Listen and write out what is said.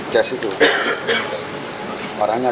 terus hasilnya berapa aja